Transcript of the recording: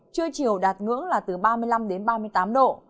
trưa chiều đạt ngưỡng là từ ba mươi năm đến ba mươi tám độ